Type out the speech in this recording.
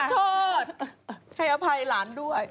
โทษให้อภัยหลานด้วย